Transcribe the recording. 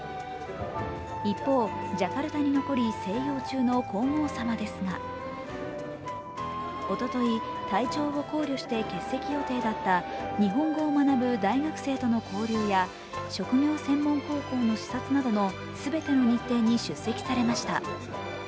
一方、ジャカルタに残り静養中の皇后さまですが、おととい、体調を考慮して欠席予定だった日本語を学ぶ大学生との交流や職業専門高校の視察などの全ての日程に出席されました。